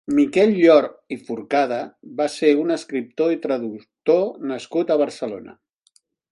Miquel Llor i Forcada va ser un escriptor i traductor nascut a Barcelona.